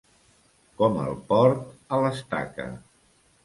Com el porc a l'estaca.